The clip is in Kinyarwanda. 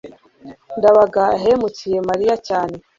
ndabaga yahemukiye mariya cyane